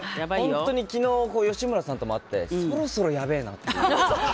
昨日、吉村さんとも会ってそろそろ、やべえなって。